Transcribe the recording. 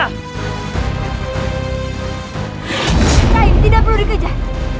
tidak perlu dikejar